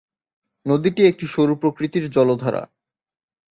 নদীটি একটি সরু প্রকৃতির জলধারা।